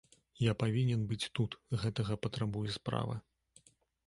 Я павінен быць тут, гэтага патрабуе справа.